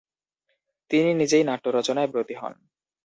তিনি নিজেই নাট্যরচনায় ব্রতী হন।